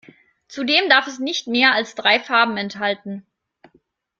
Zudem darf es nicht mehr als drei Farben enthalten.